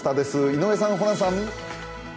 井上さん、ホランさん。